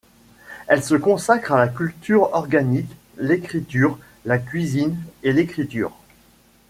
Il se consacre à la culture organique, l'écriture, la cuisine et l'écriture.